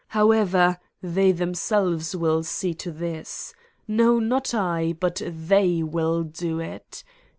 However, they themselves will see to this. No, not I, but they, will do it.